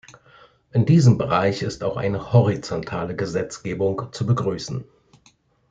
In diesem Bereich ist auch eine horizontale Gesetzgebung zu begrüßen.